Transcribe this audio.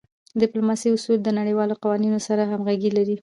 د ډیپلوماسی اصول د نړیوالو قوانینو سره همږغي لری.